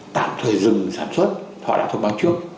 tạm thời dừng sản xuất họ đã thông báo trước